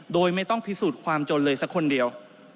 โดยไม่ต้องพิสูจน์ความจนเลยสักคนเดียว